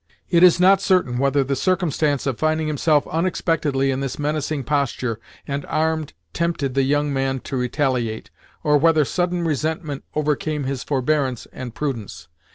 It is not certain whether the circumstance of finding himself unexpectedly in this menacing posture and armed tempted the young man to retaliate, or whether sudden resentment overcame his forbearance and prudence.